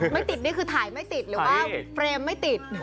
ไม่ติดนี่คือถ่ายไม่ติดหรือว่าเฟรมไม่ติด